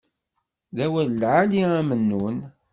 D awal lɛali a Mennun.